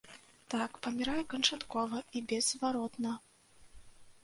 Так, памірае канчаткова і беззваротна.